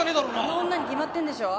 あの女に決まってんでしょ。